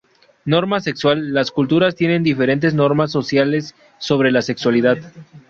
Norma sexual: Las culturas tienen diferentes normas sociales sobre la sexualidad.